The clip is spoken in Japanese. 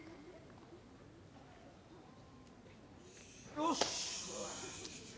よし！